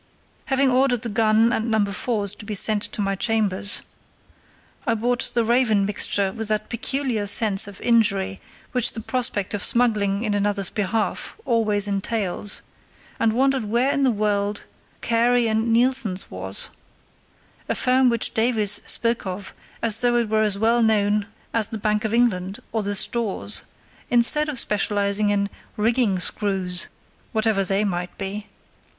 Having ordered the gun and No. 4's to be sent to my chambers, I bought the Raven mixture with that peculiar sense of injury which the prospect of smuggling in another's behalf always entails; and wondered where in the world Carey and Neilson's was, a firm which Davies spoke of as though it were as well known as the Bank of England or the Stores, instead of specialising in "rigging screws", whatever they might be.